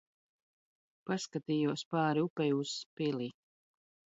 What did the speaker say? Paskat?jos p?ri upei uz pili.